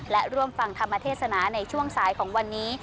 และร่วมฟังธรรมเทศนาในช่วงสายของวันนี้